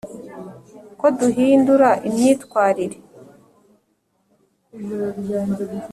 ko duhindura imyitwarire